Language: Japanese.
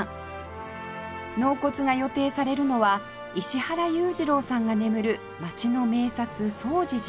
納骨が予定されるのは石原裕次郎さんが眠る街の名刹總持寺